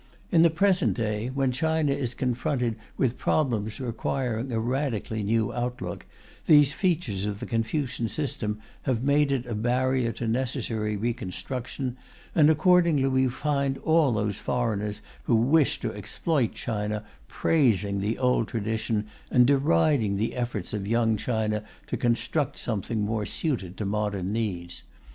In the present day, when China is confronted with problems requiring a radically new outlook, these features of the Confucian system have made it a barrier to necessary reconstruction, and accordingly we find all those foreigners who wish to exploit China praising the old tradition and deriding the efforts of Young China to construct something more suited to modern needs.